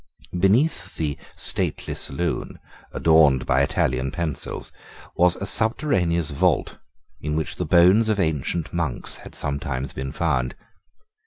Beneath the stately saloon, adorned by Italian pencils, was a subterraneous vault, in which the bones of ancient monks had sometimes been found.